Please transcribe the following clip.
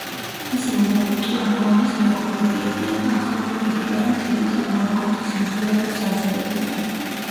ისინი მეფე ტურგონის მეგობრები იყვნენ და ახლომდებარე მთებიდან მორგოთის მზვერავებს აძევებდნენ.